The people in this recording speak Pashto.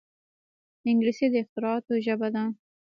انګلیسي د اختراعاتو ژبه ده